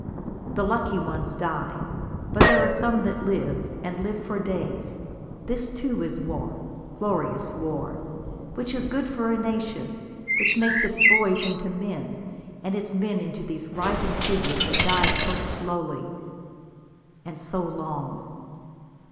The lucky ones die, but there are some that live, and live for days. This too is war, glorious war, which is good for a nation, which makes its boys into men, and its men into these writhing figures that die so slowly and so long.